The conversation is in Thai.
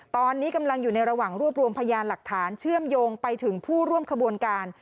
ตอนนี้กำลังอยู่ในระหว่างรวบรวมพยานหลักฐานเชื่อมโยงไปถึงผู้ร่วมขบวนการ